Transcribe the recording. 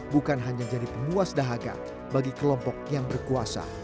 bukan hanya jadi penguas dahaga bagi kelompok yang berkuasa